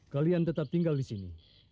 kalian tetap tinggal di sini